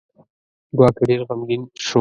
ګواکې ډېر غمګین شو.